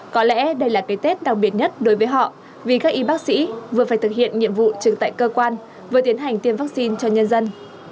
có lẽ đây là cái tết đặc biệt nhất đối với họ vì các y bác sĩ vừa phải thực hiện nhiệm vụ trực tại cơ quan vừa tiến hành tiêm vaccine cho nhân dân